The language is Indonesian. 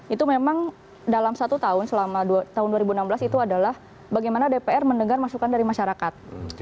itu memang dalam satu tahun selama tahun dua ribu enam belas itu adalah bagaimana dpr mendengar masukan dari masyarakat